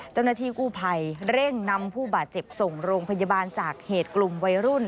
เจ้าหน้าที่กู้ภัยเร่งนำผู้บาดเจ็บส่งโรงพยาบาลจากเหตุกลุ่มวัยรุ่น